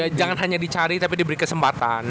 ya jangan hanya dicari tapi diberi kesempatan